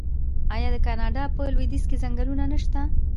آیا د کاناډا په لویدیځ کې ځنګلونه نشته؟